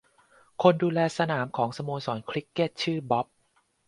คนดูแลสนามของสโมสรคริกเกตชื่อบ๊อบ